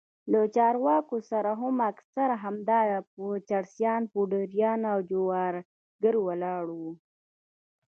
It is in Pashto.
له چارواکو سره هم اکثره همدا چرسيان پوډريان او جوارگر ولاړ وو.